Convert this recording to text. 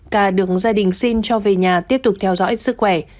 cả được gia đình xin cho về nhà tiếp tục theo dõi sức khỏe